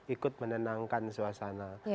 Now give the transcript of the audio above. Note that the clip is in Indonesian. ikut menenangkan suasana